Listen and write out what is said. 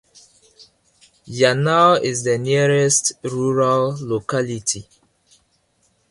Yanaul is the nearest rural locality.